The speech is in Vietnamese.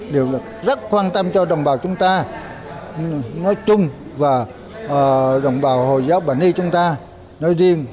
đều rất quan tâm cho đồng bào chúng ta nói chung và đồng bào hồi giáo bà ni chúng ta nói riêng